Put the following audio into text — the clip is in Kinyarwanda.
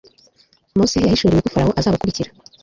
mose yahishuriwe ko farawo azabakurikira